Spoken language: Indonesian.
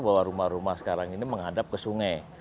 bahwa rumah rumah sekarang ini menghadap ke sungai